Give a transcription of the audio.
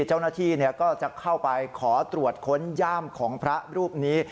เจ้าหน้าที่ก็จะเข้าไปขอตรวจค้นย่ามของพระรูปนี้